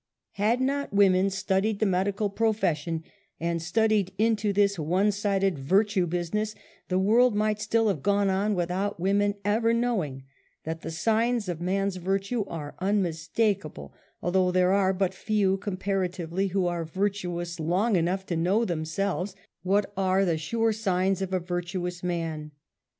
Had not women studied the medical profession, and studied into this one sided virtue business, the world might still have gone on without women ever knowing that the signs of man's virtue ixre un mistak able, although there are but few comparatively who are virtuous long enough to know themselves what are the sure signs of a virtuous man.